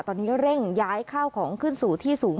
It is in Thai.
ตอนนี้เร่งย้ายข้าวของขึ้นสู่ที่สูง